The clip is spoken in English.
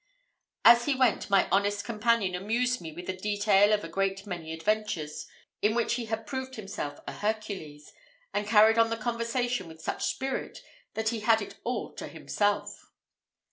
As he went, my honest companion amused me with the detail of a great many adventures, in which he had proved himself a Hercules, and carried on the conversation with such spirit that he had it all to himself.